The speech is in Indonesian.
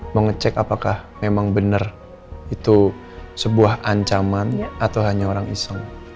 mengecek apakah memang benar itu sebuah ancaman atau hanya orang iseng